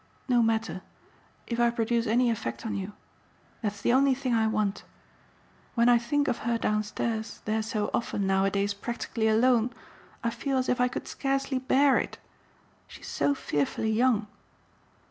No matter if I produce any effect on you. That's the only thing I want. When I think of her downstairs there so often nowadays practically alone I feel as if I could scarcely bear it. She's so fearfully young."